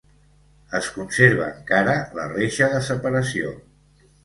Es conserva encara la reixa de separació.